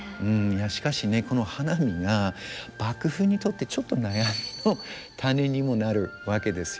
しかしねこの花見が幕府にとってちょっと悩みの種にもなるわけですよね。